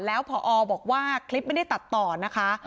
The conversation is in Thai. แล้วพอบอกว่าคลิปไม่ได้ตัดต่อนะคะ